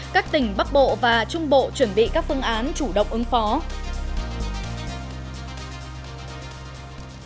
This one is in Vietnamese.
các tỉnh bắc bộ và trung bộ chuẩn bị các phương án chủ động ứng phó